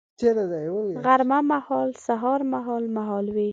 غرمه مهال سهار مهال ، مهال ویش